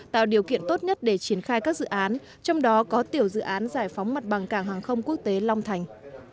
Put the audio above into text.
tạo điều kiện tốt nhất để triển khai các dự án trong đó có tiểu dự án giải phóng mặt bằng cảng hàng không quốc tế long thành